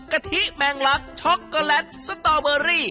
กะติแมงลักษณ์ช็อกโกแลตสตอลเบอร์รี